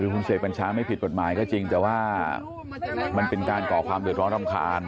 คุณเสกบัญชาไม่ผิดกฎหมายก็จริงแต่ว่ามันเป็นการก่อความเดือดร้อนรำคาญ